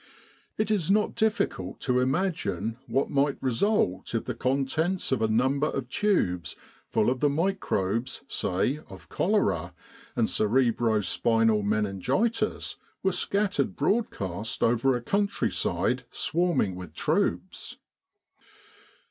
It is not difficult to imagine what might result if the contents of a number of tubes full of the microbes, say, of cholera and cerebro spinal meningitis were scattered broadcast over a countryside swarming with troops.